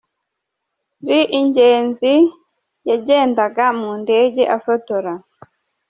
Thirry Ingenzi yagendaga mu ndege afotora .